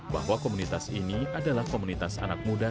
bahwa komunitas ini adalah komunitas anak muda